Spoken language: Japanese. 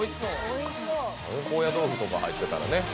高野豆腐とか入ってたらね